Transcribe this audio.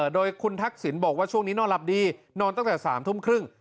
โดยคุณทักษิณบอกว่าช่วงนี้นอนหลับดีนอนตั้งแต่๓ทุ่มครึ่ง